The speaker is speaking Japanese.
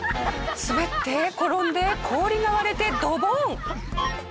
滑って転んで氷が割れてドボン！